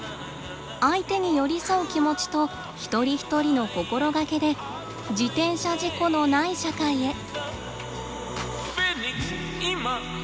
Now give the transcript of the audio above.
相手に寄り添う気持ちと一人一人の心がけで自転車事故のない社会へ。